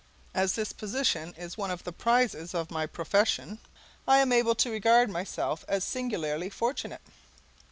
As this position is one of the prizes of my profession, I am able to regard myself as singularly fortunate.